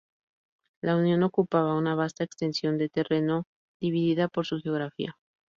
La Unión ocupaba una vasta extensión de terreno, dividida por su geografía.